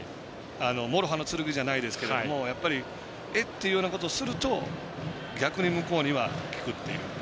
両刃の剣じゃないですけどやっぱりえっ？っていうようなことすると逆に向こうには効くっていう。